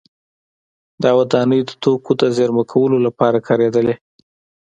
دا ودانۍ د توکو د زېرمه کولو لپاره کارېدلې